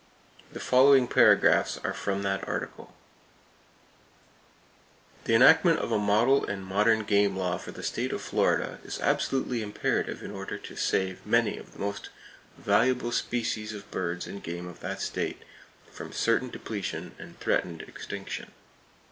The following paragraphs are from that article: The enactment of a model and modern game law for the State of Florida is absolutely imperative in order to save many of the most valuable species of birds and game of that State from certain depletion and threatened extinction.